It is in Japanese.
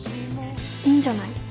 いいんじゃない。